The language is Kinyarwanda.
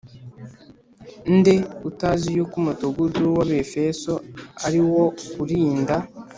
Nde Utazi Yuko Umudugudu W Abefeso Ari Wo Urinda